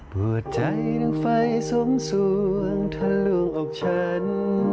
หัวใจทั้งไฟสวงเธอล่วงอกฉัน